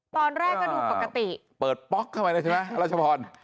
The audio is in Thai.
ตอนแรกก็ดูปกติเปิดป๊อกเข้าไปเลยใช่ไหมรัชพร